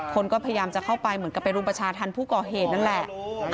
คนก็พยายามจะเข้าไปเหมือนกับไปรุมประชาธรรมผู้ก่อเหตุนั่นแหละ